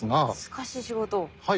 はい。